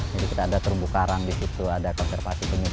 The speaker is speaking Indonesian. jadi kita ada terumbu karang di situ ada konservasi penutup dan lain lain